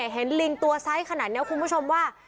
ลิงตัวไซส์ขนาดนี้คุณผู้ชมว่า